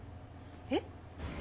えっ？